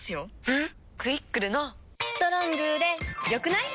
えっ⁉「クイックル」の「『ストロング』で良くない？」